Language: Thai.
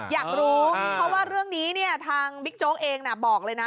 อยากรู้เพราะว่าเรื่องนี้เนี่ยทางบิ๊กโจ๊กเองบอกเลยนะ